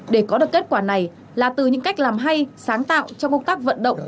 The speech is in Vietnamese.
để có được kết quả này là từ những cách làm hay sáng tạo trong công tác vận động